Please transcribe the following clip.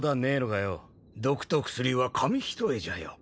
毒と薬は紙一重じゃよ。